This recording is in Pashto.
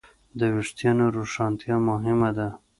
د وېښتیانو روښانتیا مهمه ده.